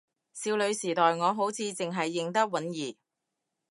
少女時代我好似淨係認得允兒